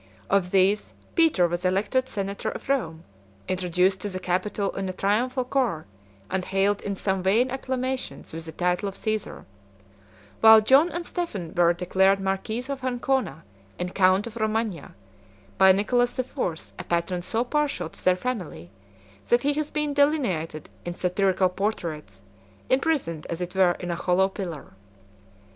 Of these, Peter was elected senator of Rome, introduced to the Capitol in a triumphal car, and hailed in some vain acclamations with the title of Cæsar; while John and Stephen were declared marquis of Ancona and count of Romagna, by Nicholas the Fourth, a patron so partial to their family, that he has been delineated in satirical portraits, imprisoned as it were in a hollow pillar.